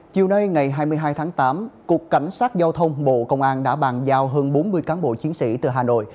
chiều nay ngày hai mươi hai tháng tám cục cảnh sát giao thông bộ công an đã bàn giao hơn bốn mươi cán bộ chiến sĩ từ hà nội